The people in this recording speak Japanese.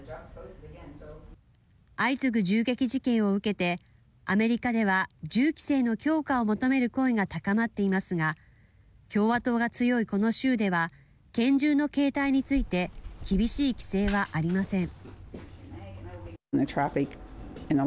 相次ぐ銃撃事件を受けてアメリカでは銃規制の強化を求める声が高まっていますが共和党が強いこの州では拳銃の携帯について厳しい規制はありません。